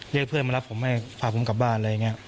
เรียกเพื่อนมารับผมถอยกลับบ้าน